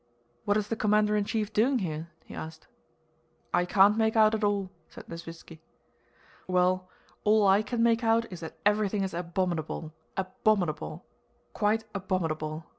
"What is the commander in chief doing here?" he asked. "I can't make out at all," said Nesvítski. "Well, all I can make out is that everything is abominable, abominable, quite abominable!"